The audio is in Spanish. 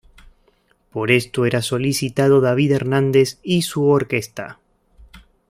Por esto era solicitado David Hernández y su Orquesta.